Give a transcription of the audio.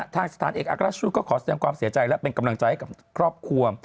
ทางสถานเอกอัครราชชุดก็ขอแสดงความเสียใจและเป็นกำลังใจให้กับครอบครัว